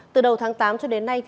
từ đầu tháng tám cho đến nay